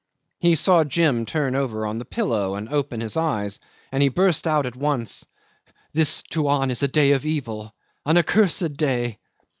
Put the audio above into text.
He saw Jim turn over on the pillow and open his eyes, and he burst out at once. "This, Tuan, is a day of evil, an accursed day."